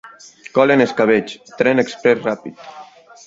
Col en escabetx. Tren exprés ràpid.